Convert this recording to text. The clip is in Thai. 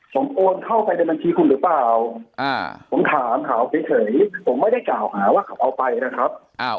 ผมโอนเข้าไปในบัญชีคุณหรือเปล่าผมถามเขาเฉยผมไม่ได้กล่าวหาว่าเขาเอาไปนะครับ